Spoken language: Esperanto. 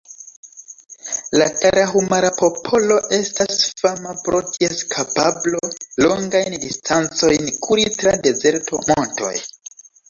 La Tarahumara-popolo estas fama pro ties kapablo, longajn distancojn kuri tra dezerto, montoj.